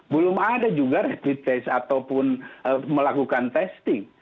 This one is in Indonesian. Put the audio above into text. belum ada juga rapid test ataupun melakukan testing